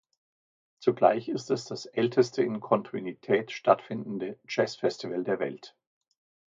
Zugleich ist es das älteste in Kontinuität stattfindende Jazzfestival der Welt.